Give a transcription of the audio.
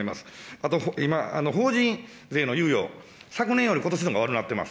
あと今、法人税の猶予、昨年よりことしのほうが悪なってます。